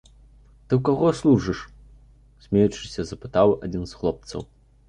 Ты ў каго служыш?— смеючыся, запытаў адзін з хлопцаў.